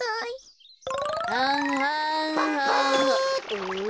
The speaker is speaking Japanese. お？